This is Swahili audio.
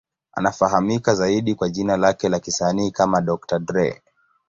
Anafahamika zaidi kwa jina lake la kisanii kama Dr. Dre.